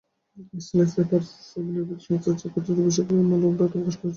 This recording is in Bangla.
ইসরায়েলের সাইবার নিরাপত্তা প্রতিষ্ঠান চেক পয়েন্টের বিশেষজ্ঞরা এ ম্যালওয়্যারের তথ্য প্রকাশ করেছেন।